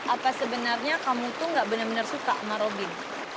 apa sebenarnya kamu tuh gak benar benar suka sama robin